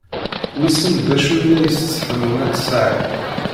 Wissen d acu i la isett Ḥemmu n At Sɛid.